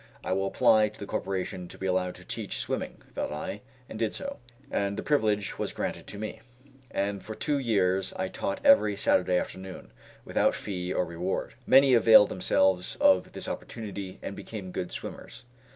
I will apply to the Corporation to be allowed to teach swimming, thought I, and did so, and the privilege was granted to me, and for two years I taught every Saturday afternoon, without fee or reward. Many availed themselves of this opportunity, and became good swimmers.